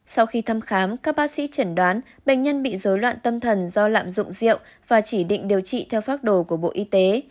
sau khi thăm khám các bác sĩ chẩn đoán bệnh nhân bị dối loạn tâm thần do lạm dụng rượu và chỉ định điều trị theo phác đồ của bộ y tế